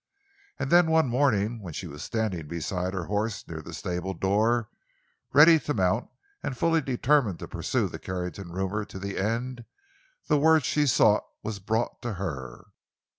And then one morning, when she was standing beside her horse near the stable door, ready to mount and fully determined to pursue the Carrington rumor to the end, the word she sought was brought to her.